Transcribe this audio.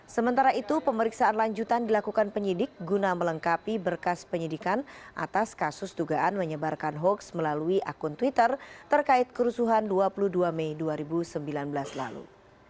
sementara itu pemeriksaan lanjutan dilakukan penyidik guna melengkapi berkas penyidikan atas kasus dugaan menyebarkan hoax melalui akun twitter terkait kerusuhan dua puluh dua mei dua ribu sembilan belas lalu